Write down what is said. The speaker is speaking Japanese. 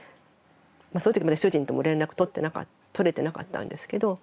そのときまだ主人とも連絡とれてなかったんですけど